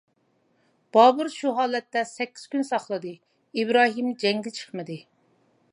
بابۇر شۇ ھالەتتە سەككىز كۈن ساقلىدى، ئىبراھىم جەڭگە چىقمىدى.